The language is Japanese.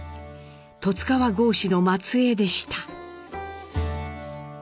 十津川郷士の末えいでした。